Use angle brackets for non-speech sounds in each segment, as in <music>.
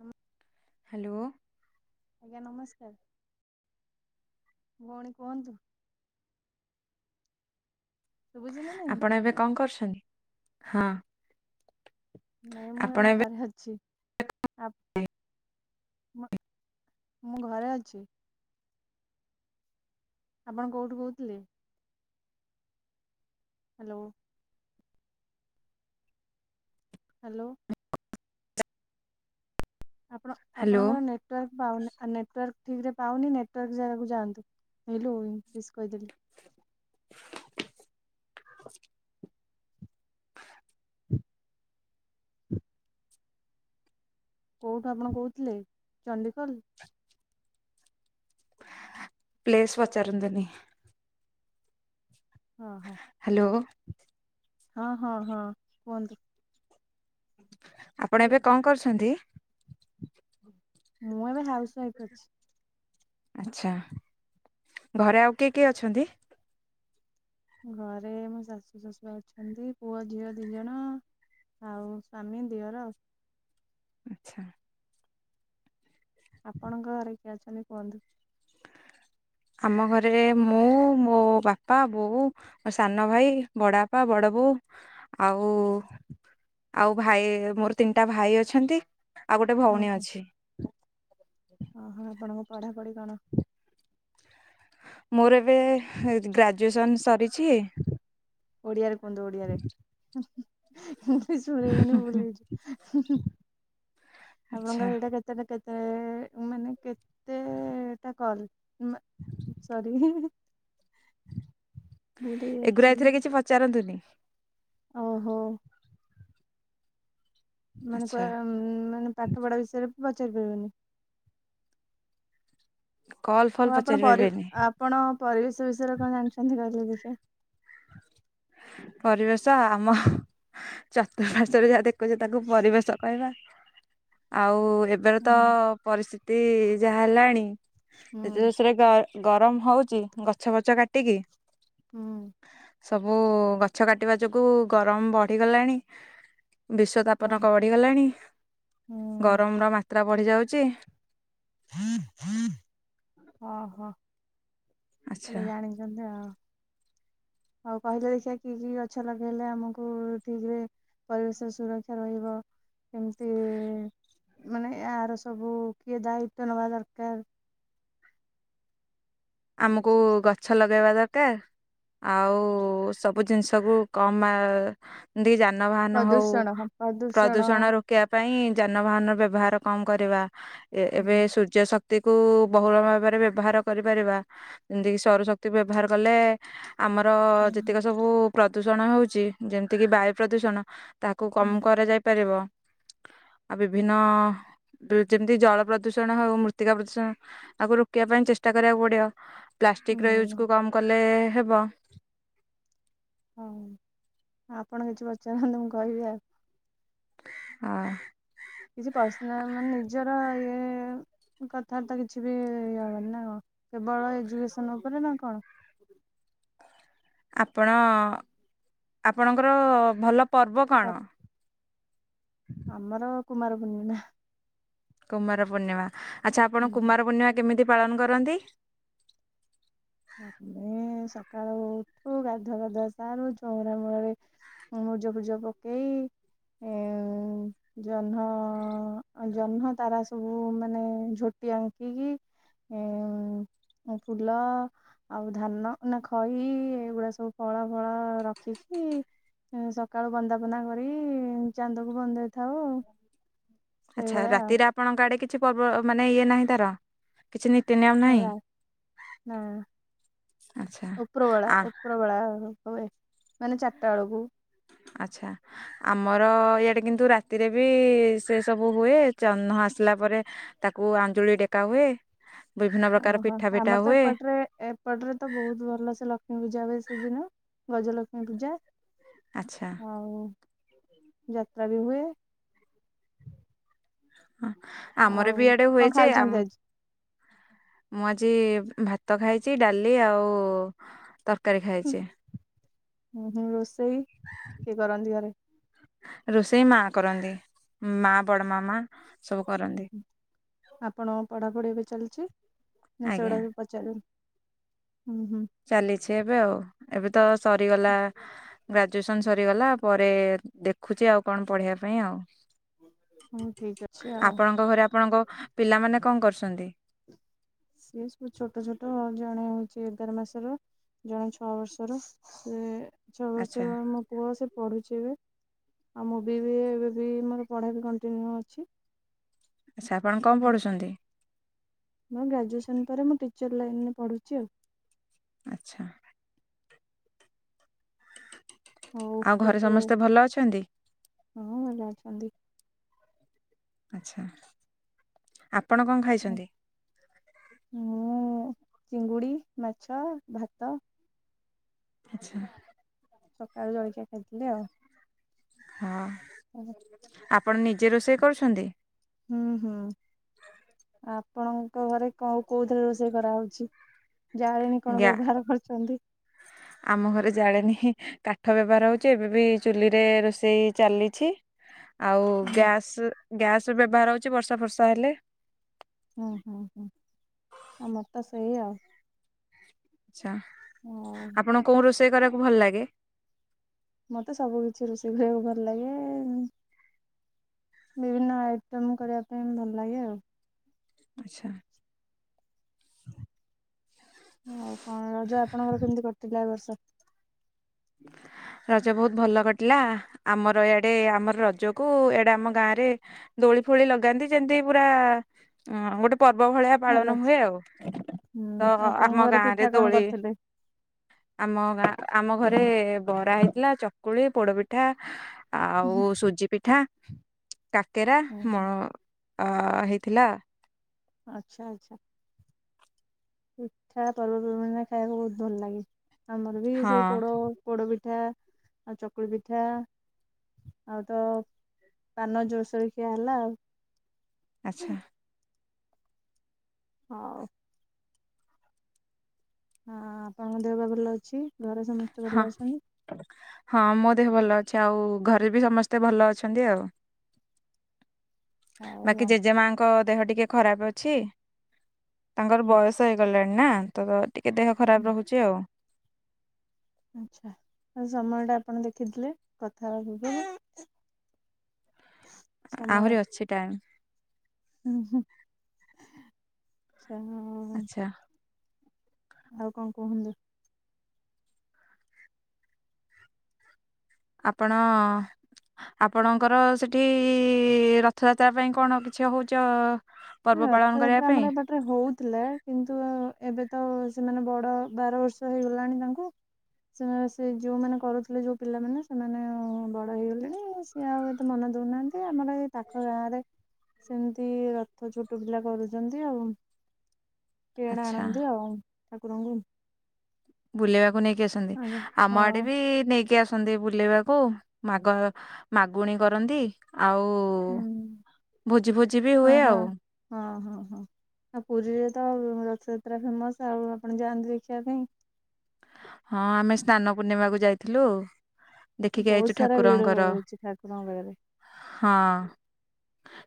ହଁ। ହ୍ୟାଲୋ। ଆଜ୍ଞା ନମସ୍କାର। ଭଉଣୀ କୁହନ୍ତୁ। ଶୁଭୁଛି ନା ନାଇଁ ଆପଣ ଏବେ କଣ କରୁଛନ୍ତି ହଁ? ନାଇଁ ମୁଁ ଏବେ ଘରେ ଅଛି। <unintelligible> ଆ ମୁଁ ଘରେ ଅଛି। ଆପଣ କୋଉଠୁ କହୁଥିଲେ? ହ୍ୟାଲୋ। ହ୍ୟାଲୋ। ଆପଣ ହ୍ୟାଲୋ ଆପଣଙ୍କର ନେଟୱାର୍କ ପାଉନି। ଆଉ ନେଟୱାର୍କ ଠିକ୍ ରେ ପାଉନି ନେଟୱାର୍କ ଜାଗାକୁ ଯାଆନ୍ତୁ ହେଇଲୋ ଇଂଲିଶ କହିଦେଲି। <inaudible> କୋଉଠୁ ଆପଣ କହୁଥିଲେ ଚଣ୍ଡିଖୋଲ? ପ୍ଲେସ୍ ପଚାରନ୍ତୁନି। ହଁ ହଁ। ହ୍ୟାଲୋ। ହଁ ହଁ ହଁ କୁହନ୍ତୁ। ଆପଣ ଏବେ କଣ କରୁଛନ୍ତି? ମୁଁ ଏବେ ହାଉସ୍ ୱାଇଫ୍ ଅଛି। ଆଚ୍ଛା ଘରେ ଆଉ କିଏ କିଏ ଅଛନ୍ତି? ଘରେ ମୋ ଶାଶୁ, ଶଶୁର ଅଛନ୍ତି ପୁଅ, ଝିଅ ଦି ଜଣ। ଆଉ ସ୍ଵାମୀ, ଦିଅର। ଆଚ୍ଛା। ଆପଣଙ୍କ ଘରେ କିଏ ଅଛନ୍ତି କୁହନ୍ତୁ? ଆମ ଘରେ ମୁଁ ମୋ ବାପା, ବୋଉ। ମୋ ସାନ ଭାଇ ବଡ଼ବାପା, ବଡ଼ବୋଉ ଆଉ ଆଉ ଭାଇ ମୋର ତିନିଟା ଭାଇ ଅଛନ୍ତି ଆଉ ଗୋଟେ ହୁଁ ଭଉଣୀ ହୁଁ ଅଛି। ଓହୋ ଆପଣଙ୍କ ପଢ଼ାପଢ଼ି କଣ? ମୋର ଏବେ ଗ୍ରାଜୁଏସନ୍ ସରିଛି। ଓଡ଼ିଆରେ କୁହନ୍ତୁ ଓଡ଼ିଆରେ। ମୁଁ ବି ଶୁଣିବିନି ହୁଁ, ହୁଁ। <unintelligible> ଆଚ୍ଛା ଆପଣଙ୍କର ଏଇଟା କେ କେତେ କେତେ ମାନେ କେତେଟା କଲ? ମା ସରି। ଭୁଲ ଏଗୁୁରା ହେଇଯାଉଛି ଏଥିରେ କିଛି ପଚାରନ୍ତୁନି। ଓହୋ। ମାନେ ଆଚ୍ଛା କହି ମାନେ ପାଠ ପଢା ବିଷୟରେ ପଚାରି ପାରିବନି। କଲ୍ ଫଲ୍ ହଉ ଆପଣ ପଚାରି ପରି ପାରିବେନି ଆପଣ ପରିବେଶ ବିଷୟରେ କଣ ଜାଣିଛନ୍ତି କହିଲେ ଦେଖିଆ? ପରିବେଶ ଆମ ଚତୁଃପାର୍ଶ୍ବରେ ଯାହା ଦେଖୁଛ ତାକୁ ପରିବେଶ କହିବା। ଆଉ ଏ ଏବେର ତ ହୁଁ ପରିସ୍ଥିତି ଯାହା ହେଲାଣି ହୁଁ ଯୋଷରେ ଗର ଗରମ ହଉଚି ଗଛ ଫଛ କାଟିକି। ହୁଁ। ସବୁ ଗଛ କାଟିବା ଯୋଗୁଁ ଗରମ ବଢ଼ିଗଲାଣି। ବିଶ୍ୱ ହଁ ତାପନ କ ବଢିଗଲାଣି ହୁଁ ଗରମର ମାତ୍ରା ବଢି ଯାଉଚି। ଓହୋ। ଆଚ୍ଛା ଆମେ ଜାଣିଚନ୍ତି ଆଉ। ଆଉ କହିଲ ଦେଖିଆ କି କି ଗଛ ଲଗେଇଲେ ଆମକୁ ଠିକ୍ରେ ପରିବେଶ ସୁରକ୍ଷା ରହିବ କେମିତି ମାନେ ୟାର ସବୁ କିଏ ଦାୟିତ୍ଵ ନବା ଦରକାର? ଆମକୁ ଗଛ ଲଗେଇବା ଦରକାର। ଆଉ ସବୁ ଜିନିଷକୁ କମା ଦେଇ ଯାନବାହାନ ହଉ ପ୍ରଦୂଷଣ ହଁ ପ୍ରଦୂଷଣ ପ୍ରଦୂଷଣର ରୋକିବା ପାଇଁ ଯାନବାହାନର ବ୍ୟବହାର କମ୍ କରିବା। ଏବେ ହୁଁ ସୂର୍ଯ୍ୟ ଶ ଶକ୍ତି କୁ ବହୁଳ ଭାବରେ ବ୍ୟବହାର କରିପାରିବା ଦେଇକିି ସ୍ବର ଶକ୍ତି ବ୍ୟବହାର କଲେ ଆମର ଯେତିକି ସବୁ ପ୍ରଦୂଷଣ ହଉଛି ଯେମିତିକି ବାୟୁ ପ୍ରଦୂଷଣ। ତାକୁ କମ୍ କରାଯାଇ ପାରିବ ଆଉ ବିଭିନ୍ନ ଯେମିତି ଜଳ ପ୍ରଦୂଷଣ ହଉ ମୃତ୍ତିକା ପ୍ରଦୂଷଣ ତାକୁ ରୋକିବା ପାଇଁ ଚେଷ୍ଟା କରିବାକୁ ପଡିବ। ପ୍ଲାଷ୍ଟିକର ୟୁଜ୍ କୁ କମ୍ କଲେ ହେବ। ହଉ ଆପଣ କିଛି ପଚାରନ୍ତୁ ମୁଁ କହିବି ଆଉ। ହଁ। କିଛି ପର୍ସନା ମାନେ ନିଜର ଇଏ କଥାବାର୍ତା କିଛି ବି ଇଏ ହବାନି ନା କଣ କେବଳ ଏଜୁକେସନ ଉପରେ ନା କଣ? ଆପଣ ଆପଣଙ୍କର ଭଲ ପର୍ବ ପାଠ କଣ? ଆମର କୁମାର ପୂର୍ଣ୍ଣିମା। କୁମାର ପୂର୍ଣ୍ଣିମା। ଆଚ୍ଛା ଆପଣ ହୁଁ। କୁମାର ପୂର୍ଣ୍ଣିମା କେମିତି ପାଳନ କରନ୍ତି? ଆମେ ସକାଳୁ ଉଠୁ ଗାଧୁଆ ପାଧୁଆ ସାରୁ ଚୋଉରା ମୂଳରେ ମୃଜ ଫୃଜ ପକେଇ ଏ ଜହ୍ନ ଜହ୍ନ ତାରା ସବୁ ମାନେ ଝୋଟି ଆଙ୍କିକି ଉଁ ଫୁଲ ଆଉ ଧାନ ନା ଖଇ ଏଗୁଡା ସବୁ ଫଳ ମୂଳ ରଖିକି ଉଁ ସକାଳୁ ବନ୍ଦା ପନ୍ଦା କରିକି ଚାନ୍ଦକୁ ବନ୍ଦେଇଥାଉ ଆଉ। ଆଚ୍ଛା ସେଇଭଳିଆ ରାତିରେ ଆପଣଙ୍କ ଆଡେ କିଛି ପର୍ବ ମାନେ ଇଏ ନାହିଁ ତାର। କିଛି ନୀତି ନିୟମ ନାହିଁ ଆଉ ନା ଆଛା ଆ ପ୍ରବଳା ହୁ ହୁଏ ମାନେ ଚାରିଟା ବେଳକୁ। ଆଚ୍ଛା। ଆମର ଇଆଡେ କିନ୍ତୁ ରାତିରେ ବି ସେ ସବୁ ହୁଏ ଜହ୍ନ ଆସିଲା ପରେ ତାକୁ ଆଞ୍ଜୁଳି ଟେକା ହୁଏ। ବିଭିନ୍ନ ପ୍ରକାର ଓହୋ ପିଠା ପିଠା ଆମର ହୁଏ ସେପଟରେ ଏପଟରେ ତ ବହୁତ ଭଲ ସେ ଲକ୍ଷ୍ମୀ ପୂଜା ହୁଏ ସେଦିନ ଗଜଲକ୍ଷ୍ମୀ ପୂଜା। ଆଚ୍ଛା। ଆଉ ଯାତ୍ରା ବି ହୁଏ। ହ ଆମର ଆଉ ବି ଆଡେ ହୁଏ କଣ ଯେ ଖାଇଛନ୍ତି ଆମ ଆଜି? ମୁଁ ଆଜି ଭାତ ଖାଇଛି ଡ଼ାଲି ଆଉ ତରକାରୀ ଖାଇଛି। ଉଁ ହୁଁ ରୋଷେଇ କିଏ କରନ୍ତି ଘରେ? ରୋଷେଇ ମା କରନ୍ତି ମା ବଡ଼ ମାମା ସବୁ ହୁଁ, କରନ୍ତି। ଆପଣଙ୍କ ପଢ଼ାପଢ଼ି ଏବେ ଚାଲିଚି ନା ଆଜ୍ଞା ସେଗୁଡା ପଚାରୁ ହୁଁ ହୁଁ। ଚାଲିଛି ଏବେ ଆଉ ଏବେ ତ ସରିଗଲା ଗ୍ରାଜୁଏସନ୍ ସରିଗଲା। ପରେ ଦେଖୁଛି ଆଉ କଣ ପଢିବା ପାଇଁ ଆଉ। ହଉ ଠିକ ଅଛି ଆଉ ଆପଣଙ୍କ ଘରେ ଆପଣଙ୍କ ପିଲାମାନେ କଣ କରୁଛନ୍ତି? ସିଏ ସବୁ ଛୋଟ ଛୋଟ ଜଣେ ହଉଛି ଏଗାର ମାସର ଜଣେ ଛଅ ବର୍ଷର ସେ ଛଅ ଆଚ୍ଛା ବର୍ଷର ମ ପୁଅ ସେ ପଢୁଛି ଏବେ ଆଉ ମୁଁ ବି ବି ଏବେ ବି ମୋର ପଢ଼ା ବି କଣ୍ଟିନ୍ୟୁ ଅଛି। ଆଛା ଆପଣ କଣ ପଢୁଚନ୍ତି? ମୋ ଗ୍ରାଜୁଏସନ୍ ପରେ ମୁଁ ଟିଚର୍ ଲାଇନ୍ ରେ ପଢୁଛି ଆଉ। ଆଚ୍ଛା। ହଉ ଆଉ ଘରେ କେତେ ସମସ୍ତେ ଭଲ ଅଛନ୍ତି? ହଁ ଭଲ ଅଛନ୍ତି। ଆଚ୍ଛା ଆପଣ କଣ ମୁଁ ଖାଇଛନ୍ତି? ମୁଁ ଚିଙ୍ଗୁଡ଼ି, ମାଛ, ଭାତ ଆଚ୍ଛା। ସକାଳୁ ଜଳିଖିଆ ଖାଇଥିଲି ଆଉ। ହଁ। ହୁଁ ହୁଁ। ଆପଣ ନିଜେ ରୋଷେଇ କରୁଛନ୍ତି? ହୁଁ ହୁଁ। ଆପଣଙ୍କ ଘରେ କ କୋଉ ଥରେ ରୋଷେଇ କରାହଉଛି? ଜାଳେଣୀ କଣ ଗ୍ୟା ବ୍ୟବହାର କରୁଛନ୍ତି? ଆମ ଘରେ ଜାଳେନି ହିଁ କାଠ ବ୍ୟବହାର ହଉଛି ଏବେ ବି ଚୁଲିରେ ରୋଷେଇ ଚାଲିଛି। ଆଉ ଆଜ୍ଞା ଗ୍ୟାସ୍ ଗ୍ୟାସ୍ ବ୍ୟବହାର ହଉଛି ବର୍ଷା ଫର୍ଷା ହେଲେ। ଉଁ ହୁଁ ହୁଁ ଆମର ତ ସେଇ ଆଉ। ଆଚ୍ଛା ଆଉ ଆପଣଙ୍କୁ କୋଉ ରୋଷେଇ କରିବାକୁ ଭଲ ଲାଗେ? ମତେ ସବୁ କିଛି ରୋଷେଇ କରିବାକୁ ଭଲ ଲାଗେ। ବିଭିନ୍ନ ଆଇଟମ୍ କରିବା ପାଇଁ ଭଲ ଲାଗେ ଆଉ। ଆଚ୍ଛା। ଆଉ କଣ ରଜ ଆପଣଙ୍କର କେମିତି କଟିଥିଲା ଏ ବର୍ଷ? <inaudible> ରଜ ବହୁତ୍ ଭଲ କଟିଲା ଆମର ୟାଡ଼େ ଆମର ରଜକୁ ଏଡେ ଆମ ଗାଁ ରେ ଦୋଳି ଫୋଳି ଲଗାନ୍ତି ଯେମିତି ପୁରା ଗୋଟେ ପର୍ବ ଭଳିଆ ପାଳନ ଭଲ ହୁଏ ଆଉ ହୁଁ ତ ଆପଣଙ୍କ ଆମ ଘରେ ପିଠା ଗାଁରେ କଣ ଦୋଳି କରିଥିଲେ? ଆମ ଗାଁ ଆମ ଘରେ ବରା ହେଇଥିଲା ଚକୁଳି, ପୋଡ଼ପିଠା ଆଉ ସୁଜି ପିଠା, କାକେରା ମ ହୁଁ। ହେଇଥିଲା। ଆଚ୍ଛା ଆଚ୍ଛା। ପଠା ପର୍ବପର୍ବାଣିରେ ଖାଇବାକୁ ବହୁତ୍ ଭଲ ଲାଗେ ଆମରବି ହଁ ସେଇ ପୋଡ଼ ପୋଡ ପିଠା, ଆଉ ଚକୁଳି ପିଠା ଆଉତ ପାନ ଜୋରସୋରେ ଖିଆ ହେଲା ଆଉ। ଆଚ୍ଛା। ହଉ। ହଁ ଆପଣଙ୍କ ଦେହ ପା ଭଲ ଅଛି ଘରେ ସମସ୍ ହଁ ହଁ ମୋ ଦେହ ଭଲ ଅଛି ଆଉ ଘରେବି ସମସ୍ତେ ଭଲ ଅଛନ୍ତି ଆଉ। ହଉ ବାକି ଆଉ ଜେଜେମାଙ୍କ ଦେହ ଟିକେ ଖରାପ୍ ଅଛି। ତାଙ୍କର ହୁଁ। ବୟସ ହେଇଗଲାଣିନା ତଟିକେ ଦେହ ଖରାପ୍ ରହୁଚି ଆଉ। ଆଚ୍ଛା ଆଉ ସମୟଟା ଆପଣ ଦେଖିଥିଲେ କଥା ହବା ପୂର୍ବରୁ? ଆହୁରି ଅଛି ଟାଇମ୍। ଉ, ହୁଁ, ଆଚ୍ଛା, ହଉ। ଆଚ୍ଛା ଆଉ କଣ କୁହନ୍ତୁ? ଆପଣ ଆପଣଙ୍କର ସେଠି-ଇ-ଇ- ରଥଯାତ୍ରା ପାଇଁ କଣ କିଛି ହଉଚ ହଁ, ପର୍ବ ପାଳନ କରିବା ରଥଯାତ୍ରା ପାଇଁ ଆମର ଏପ ହଉଥିଲା, କିନ୍ତୁ ଏବେତ ସେମାନେ ବଡ଼ ବାର ବର୍ଷ ହେଇଗଲାଣି ତାଙ୍କୁ। ସେମାନେ, ସେ ଯେଉଁମାନେ କରୁଥିଲେ, ଯେଉଁ ପିଲାମାନେ, ସେମାନେ ବଡ଼ ହେଇଗଲେଣି ସିଏ ଆଉ ଏତେ ମନ ଦେଉନାହାଁନ୍ତି। ଆମର ଏଇ ପାଖ ଗାଁରେ ସେମିତି ରଥ ଛୋଟ ପିଲା କରୁଚନ୍ତି ଆଉ, ଇଆଡ଼େ ଆଚ୍ଛା ଆଣନ୍ତି, ଆଉ ଠାକୁରଙ୍କୁ ବୁଲିବାକୁ ନେଇକି ଆସନ୍ତି ଆଜ୍ଞା ଆମ ହଁ ଆଡ଼େବି ନେଇକି ନେଇକି ଆସନ୍ତି, ବୁଲେଇବାକୁ ମାଗ-ମାଗୁଣୀ କରନ୍ତି ଆଉ ହୁଁ ଭୋଜି ଭୋଜିବି ହଁ ହୁଏ, ହଁ ଆଉ। ହଁ, ହଁ, ହଁ ଆଉ ପୁରୀରେତ ରଥଯାତ୍ରା ଫେମସ୍ ଆଉ ଆପଣ ଯାଆନ୍ତି ଦେଖିବା ପାଇଁ? ହଁ, ଆମେ ସ୍ନାନ ପୂର୍ଣ୍ଣିମାକୁ ଯାଇଥିଲୁ। ଦେଖିକି ବହୁତ ଆଇଛୁ ସାରା ଭିଡ ଠାକୁରଙ୍କର ରହୁଛି, ଠାକୁରଙ୍କ ପାଖରେ। ହଁ,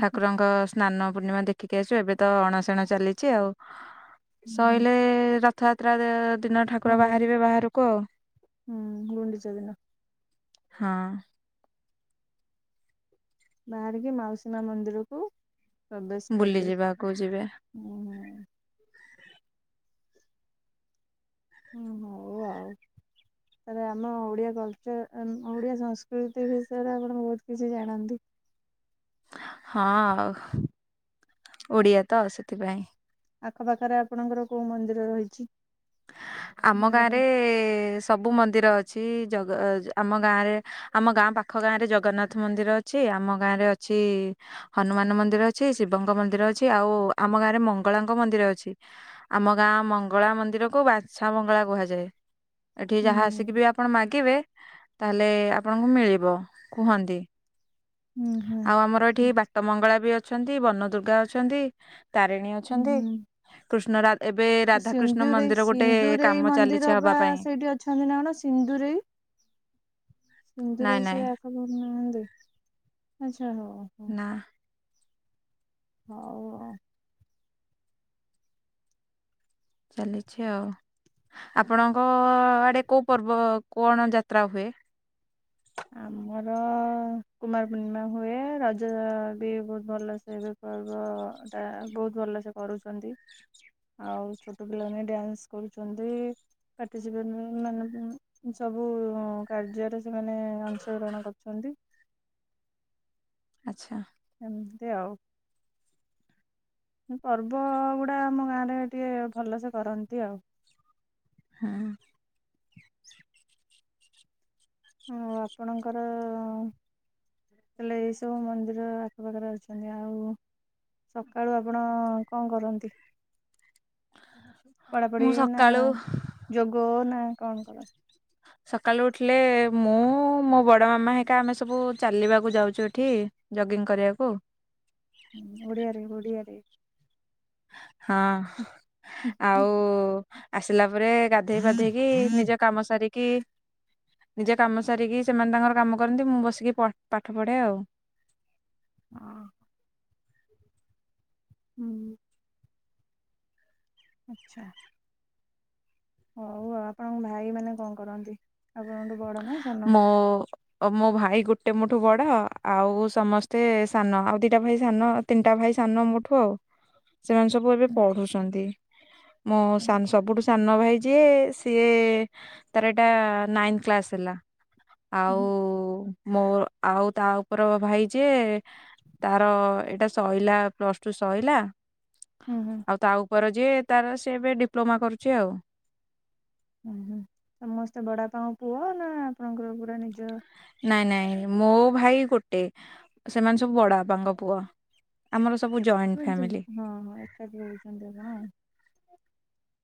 ଠାକୁରଙ୍କ ସ୍ନାନ ପୂର୍ଣ୍ଣିମା ଦେଖିକି ଆସିଚୁ ଏବେତ ଅଣସେଣ ଚାଲିଛି ଆଉ ହୁଁ, ସଇଲେ ର ରଥଯାତ୍ରା ଦିନ ହଁ ଠାକୁର ବା ବାହାରିବେ ବାହାରକୁ, ଆଉ। ହୁଁ, ଗୁଣ୍ଡିଚା ଦିନ। ହଁ। ବାହାରିକି ମାଉସୀ ମା ମନ୍ଦିରକୁ ପ୍ରବେଶ କରିବେ ବୁଲିଯିବାକୁ ଯିବେ ଓହୋ। ହୁଁ ହଉ ଆଉ <inaudible> ତାହେଲେ ଆମ ଓଡ଼ିଆ କଲଚର, ଓଡ଼ିଆ ସଂସ୍କୃତି ବିଷୟରେ ଆପଣ ବହୁତ୍ କିଛି ଜାଣନ୍ତି। ହଁ, ଆଉ ଓଡ଼ିଆତ, ସେଥିପାଇଁ। ଆଖପାଖରେ ଆପଣଙ୍କର କୋଉ ମନ୍ଦିର ରହିଚି? ଆମ ଗାଁରେ ସବୁ ମନ୍ଦିର ଅଛି ଜଗ ଆମ ଗାଁରେ ଆମ ଗାଁ ପାଖ ଗାଁରେ ଜଗନ୍ନାଥ ମନ୍ଦିର ଅଛି ଆମ ଗାଁରେ ଅଛି ହନୁମାନ ମନ୍ଦିର ଅଛି, ଶିବଙ୍କ ମନ୍ଦିର ଅଛି, ଆଉ ଆମ ଗାଁରେ ମଙ୍ଗଳାଙ୍କ ମନ୍ଦିର ଅଛି। ଆମ ଗାଁ ମଙ୍ଗଳା ମନ୍ଦିରକୁ ବାଛା ମଙ୍ଗଳା କୁହାଯାଏ ଏଠି ହୁଁ ଯାହା ଆସିକିବି ଆପଣ ମାଗିବେ, ତାହେଲେ ଆପଣଙ୍କୁ ମିଳିବ, କୁହନ୍ତି। ହୁଁ ହୁଁ ଆଉ ଆମର ଏଠି ହୁଁ ବାଟ ମଙ୍ଗଳାବି ଅଛନ୍ତି, ବନ ଦୁର୍ଗା ଅଛନ୍ତି। ତାରିଣୀ ଅଛନ୍ତି ହୁଁ। କୃଷ୍ଣରାଧ ଏବେ ଆଉ ରାଧାକୃଷ୍ଣ ସିନ୍ଦୁରେଇ ମନ୍ଦିର ଗୋଟେ ସିନ୍ଦୁରେଇ କାମ ଚାଲିଛି ହବା ମନ୍ଦିରବା ପାଇଁ ସେଇଠି ଅଛନ୍ତିନା, କଣ ସିନ୍ଦୁରେଇ? ନାଇଁ ସିନ୍ଦୁରେଇ ସେ ନାଇଁ ଆଖପାଖରେ ନାହାନ୍ତି ଆଚ୍ଛା, ହଉ। ହଉ ନା। ହଉ, ଓ ଚାଲିଚି ଆଉ ଆପଣଙ୍କ-ଅ-ଅ ଆଡ଼େ କୋଉ ପର୍ବ, କଣ ଯାତ୍ରା ହୁଏ? ଆମର-ଅ କୁମାର ପୂର୍ଣ୍ଣିମା ହୁଏ ରଜବି ବହୁତ୍ ଭଲସେ ପର୍ବଟା ବହୁତ୍ ଭଲସେ କରୁଚନ୍ତି। ଆଉ ଛୋଟ ପିଲାମାନେ ଡ୍ୟାନ୍ସ କରୁଚନ୍ତି। ପାର୍ଟିସିପେଟ ମାନେ, ସବୁ କାର୍ଯ୍ୟରେ ସେମାନେ ଅଂଶଗ୍ରହଣ କରୁଚନ୍ତି। ଆଚ୍ଛା। ଏମିତି ଆଉ। ପର୍ବଗୁଡ଼ା ଆମ ଗାଁରେ ଟିକେ ଭଲସେ କରନ୍ତି ଆଉ। ହୁଁ। ହଁ, ଆପଣଙ୍କର ତାଲେ ଏଇ ସବୁ ମନ୍ଦିର ଆଖପାଖରେ ଅଛନ୍ତି ଆଉ ସକାଳୁ ଆପଣ କଣ କରନ୍ତି? ପଢାପଢି ମୁଁ ନା ସକାଳୁ ଯୋଗ ନା କଣ କରନ୍ତି? ସକାଳୁ ଉଠିଲେ ମୁଁ ମୋ ବଡ଼ ମାମା ହେକା ଆମେ ସବୁ ଚାଲିବାକୁ ଯାଉଚୁ ଏଠି ଜଗିଂ କରିବାକୁ ହୁଁ ଓଡ଼ିଆରେ ଓଡ଼ିଆରେ? ହଁ ହଁ ଆଉ ଆସିଲା ପରେ ଗାଧେଇ ପାଧେଇକି ନିଜ କାମ ସାରିକି ନିଜେ କାମ ସାରିକି ସେମାନେ ତାଙ୍କର କାମ କରନ୍ତି ମୁଁ ବସିକି ପ ପାଠ ପଢ଼େ ଆଉ। ହଁ। ହୁଁ। ଆଚ୍ଛା। ହଉ ଆଉ ଆପଣଙ୍କ ଭାଇ ମାନେ କଣ କରନ୍ତି? ଆପଣଙ୍କଠୁ ବଡ ନା ସାନ? ମୋ ଓ ମୋ ଭାଇ ଗୋଟେ ମୋଠୁ ବଡ଼ ଆଉ ସମସ୍ତେ ସାନ ଆଉ ଦିଟା ଭାଇ ସାନ ତିନିଟା ଭାଇ ସାନ ମୋଠୁ ଆଉ। ସେମାନେ ସବୁ ଏବେ ହୁଁ। ପଢୁଚନ୍ତି ମୋ ହୁଁ ସାନ ସବୁଠୁ ସାନ ଭାଇ ଯିଏ ସିଏ ତାର ଏଟା ନାଇନ୍ କ୍ଲାସ ହେଲା। ଆଉ ହୁଁ ମୋ ଆଉ ତାଉପର ଭାଇ ଯେ ତାର ଏଇଟା ଶୋଇଲା ପ୍ଲସ୍ ଟୁ ଶଇଲା ହୁଁ ଆଉ ତାଉପରେ ଯିଏ ତାର ସେଏବେ ଡିପ୍ଲୋମା କରୁଚି ଆଉ। ହୁଁ ହୁଁ ସମସ୍ତେ ବଡ଼ବାପା ପୁଅନା ଆପଣଙ୍କର ପୁରା ନିଜ ନାଇଁ ନାଇଁ ମୋ ଭାଇ ଗୋଟେ ସେମାନେ ସବୁ ବିଡ଼ାବାପାଙ୍କ ପୁଅ। ଆମର ସବୁ ଜଏଣ୍ଟ ହଁ ଫ୍ୟାମିଲି। ହଁ ଏକାଠି ରହୁଚନ୍ତି ଆପଣ।